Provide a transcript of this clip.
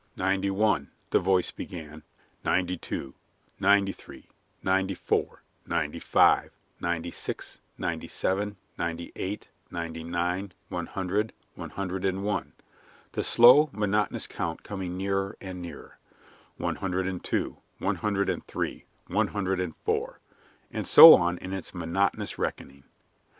"Ninety one," the voice began, "ninety two, ninety three, ninety four, ninety five, ninety six, ninety seven, ninety eight, ninety nine, one hundred, one hundred and one" the slow, monotonous count coming nearer and nearer; "one hundred and two, one hundred and three, one hundred and four," and so on in its monotonous reckoning.